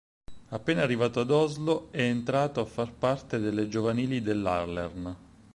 Appena arrivato ad Oslo, è entrato a far parte delle giovanili dell'Ullern.